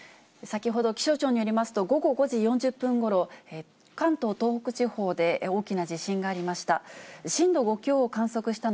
先ほど、気象庁によりますと、午後５時４０分ごろ、関東、東北地方で大きな地震がありました。